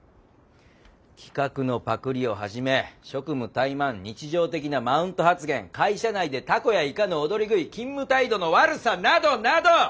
企画のパクリをはじめ職務怠慢日常的なマウント発言会社内でタコやイカのおどり食い勤務態度の悪さなどなど！